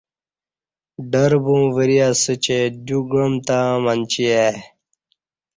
ڈربوں وری اسہ چہ دیوگعام تاں منچی ای